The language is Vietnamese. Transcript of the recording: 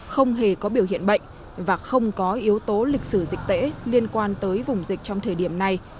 không hề có biểu hiện bệnh và không có yếu tố lịch sử dịch tễ liên quan tới vùng dịch trong thời điểm này